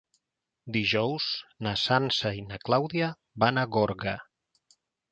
Dijous na Sança i na Clàudia van a Gorga.